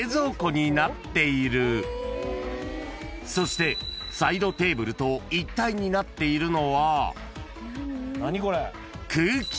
［そしてサイドテーブルと一体になっているのは］